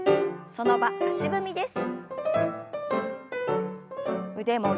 その場足踏みです。